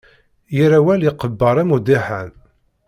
Yir awal iqebbeṛ am uḍiḥan.